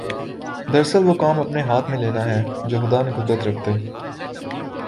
دراصل وہ کام اپنے ہاتھ میں لینا ہے جوخدا نے قدرت رکھتے